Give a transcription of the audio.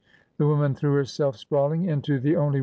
] The woman threw herself sprawling into the only